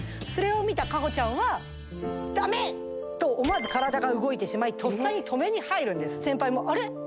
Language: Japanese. それを見た華帆ちゃんは「だめ‼」と思わず体が動いてしまいとっさに止めに入るんです先輩も「あれ？